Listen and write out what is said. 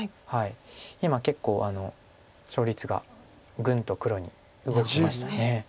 今結構勝率がグンと黒に動きました。